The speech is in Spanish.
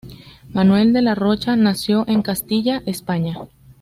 Manuel de la Rocha nació en Castilla, España.